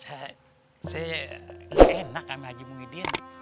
saya enak sama haji muhyiddin